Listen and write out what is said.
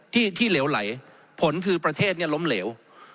ที่เหลวไหลผลคือประเทศเนี่ยล้มเหลว